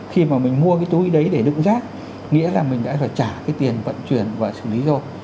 khi mà mình mua cái túi đấy để đựng rác nghĩa là mình đã phải trả cái tiền vận chuyển và xử lý rồi